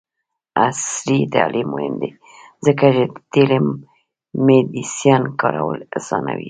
عصري تعلیم مهم دی ځکه چې د ټیلی میډیسین کارول اسانوي.